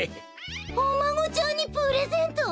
おまごちゃんにプレゼント？